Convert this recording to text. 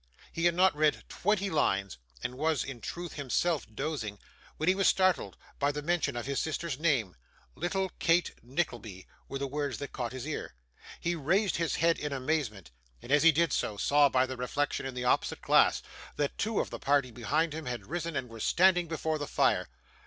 He had not read twenty lines, and was in truth himself dozing, when he was startled by the mention of his sister's name. 'Little Kate Nickleby' were the words that caught his ear. He raised his head in amazement, and as he did so, saw by the reflection in the opposite glass, that two of the party behind him had risen and were standing before the fire.